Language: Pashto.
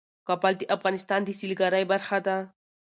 کابل د افغانستان د سیلګرۍ برخه ده.